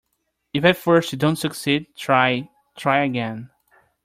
If at first you don't succeed, try, try again.